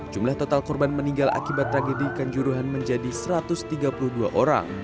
jumlah total korban meninggal akibat tragedi kanjuruhan menjadi satu ratus tiga puluh dua orang